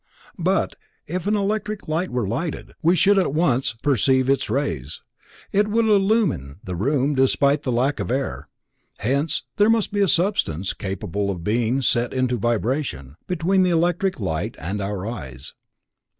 But if an electric light were lighted, we should at once perceive its rays; it would illumine the room despite the lack of air. Hence there must be a substance, capable of being set into vibration, between the electric light and our eyes.